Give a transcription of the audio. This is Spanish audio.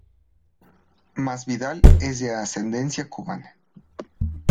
Masvidal es de ascendencia cubana.